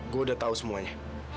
gue udah tahu semuanya